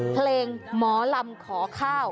เพลงหมอลำขอข้าว